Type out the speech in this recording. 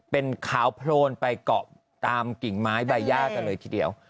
เป็นขาวโพลนไปเกาะตามกิ่งไม้ใบย่ากันเลยทีเดียว